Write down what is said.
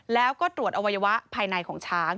แล้วก็ตรวจอวัยวะภายในของช้าง